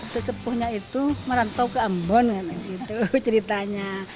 sesepuhnya itu merantau ke ambon gitu ceritanya